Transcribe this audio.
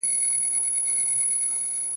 که موږ څېړنې وکړو د کائناتو ډېر رازونه به ومومو.